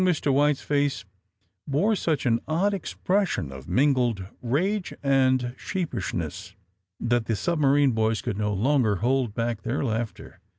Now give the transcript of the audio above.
Young Mr. Wliite 's face bore such an odd ex pression of mingled rage and sheepishness that the submarine boys could no longer hold back their laughter.